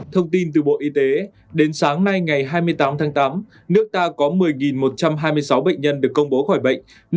thông tin từ bộ y tế đến sáng nay ngày hai mươi tám tháng tám nước ta có một mươi một trăm hai mươi sáu bệnh nhân được công bố khỏi bệnh